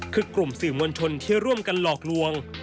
คือกลุ่มสื่อมวลชนที่ร่วมกันหลอกลวง